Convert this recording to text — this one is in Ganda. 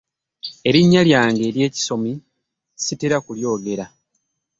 Erinnya lyange ery'ekisomi ssitera kulyogera.